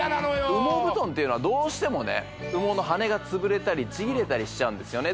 羽毛布団っていうのはどうしても羽毛の羽根がつぶれたりちぎれたりしちゃうんですよね